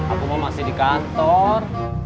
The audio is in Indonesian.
aku mau masih di kantor